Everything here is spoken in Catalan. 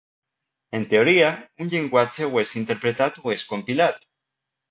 En teoria, un llenguatge o és interpretat o és compilat.